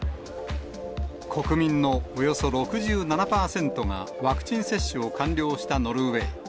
国民のおよそ６７％がワクチン接種を完了したノルウェー。